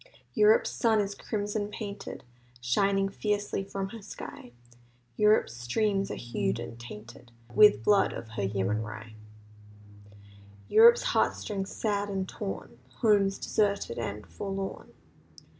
Europe's sun is crimson painted; Shining fiercely from her sky; Europe's streams are hued and tainted With blood of her yeomanry. Europe's heart strings, sad and torn; Homes deserted and forlorn.